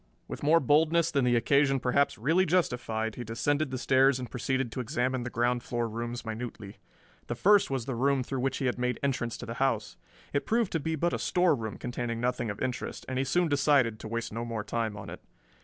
With more boldness than the occasion perhaps really justified he descended the stairs and proceeded to examine the ground floor rooms minutely. The first was the room through which he had made entrance to the house. It proved to be but a storeroom containing nothing of interest, and he soon decided to waste no more time on it.